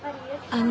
あの。